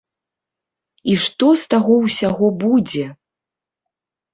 І што з таго ўсяго будзе?